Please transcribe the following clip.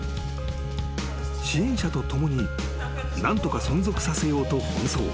［支援者と共に何とか存続させようと奔走］